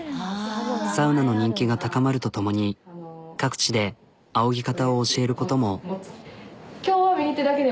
サウナの人気が高まると共に各地であおぎ方を教えることも。